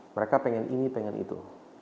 mereka pengen ini pengen itu